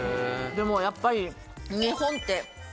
でもやっぱり。